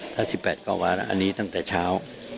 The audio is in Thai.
ถ้า๑๘กว่าวันอันนี้ตั้งแต่เช้า